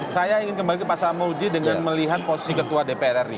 saya ingin kembali ke pak samuji dengan melihat posisi ketua dpr ri